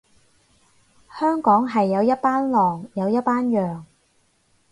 香港係有一班狼，有一班羊